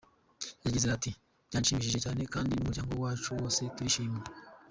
Yagize ati “Byanshimishije cyane kandi n’umuryango wacu wose turishimye.